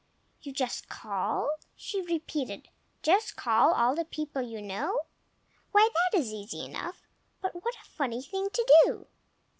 "You just call!" she repeated. "Just call all the people you know. Why, that is easy enough, but what a funny thing to do!"